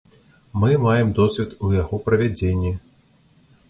Мы маем досвед у яго правядзенні.